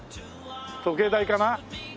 時計台かな？